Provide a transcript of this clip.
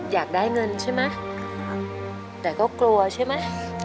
อยากได้เงินใช่ไหมแต่ก็กลัวใช่ไหม